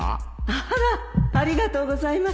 あらありがとうございます